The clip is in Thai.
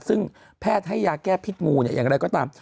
ซึ่งแพทย์ให้ยาแก้พิษงูอย่างไรก็ตาม